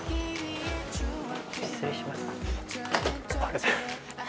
失礼しますあれ？